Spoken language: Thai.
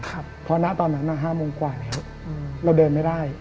ครับเพราะนะตอนนั้นน่ะห้ามงกว่าแล้วอืมเราเดินไม่ได้